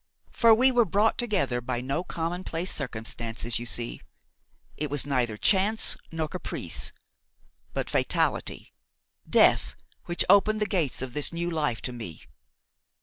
For we were brought together by no commonplace circumstances, you see; it was neither chance nor caprice, but fatality, death, which opened the gates of this new life to me.